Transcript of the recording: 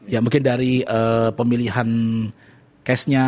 ya mungkin dari pemilihan cash nya